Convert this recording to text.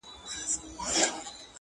درد وچاته نه ورکوي-